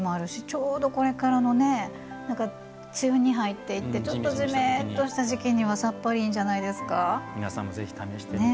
ちょうど、これからのつゆに入っていってちょっとじめーっとした時期にはさっぱりいいんじゃないですか。